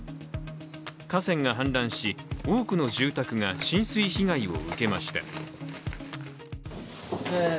河川が氾濫し、多くの住宅が浸水被害を受けました。